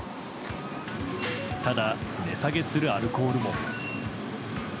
ただ値下げするアルコールも。